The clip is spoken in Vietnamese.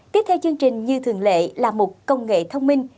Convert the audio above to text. tiếp theo chương trình như thường lệ là mục công nghệ thông minh